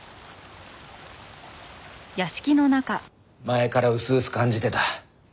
前からうすうす感じてた。